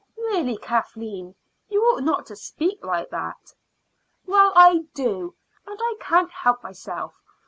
"Really, Kathleen, you ought not to speak like that." "Well, I do, and I can't help myself.